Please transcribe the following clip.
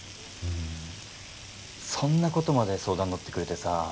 そんなことまで相談乗ってくれてさ